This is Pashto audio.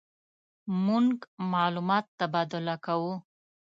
مونږ معلومات تبادله کوو.